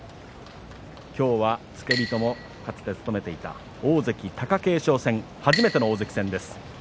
今日は付け人をかつて務めていた大関貴景勝戦初めての大関戦です。